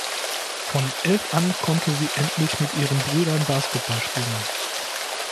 Von elf an konnte sie endlich mit ihren Brüdern Basketball spielen.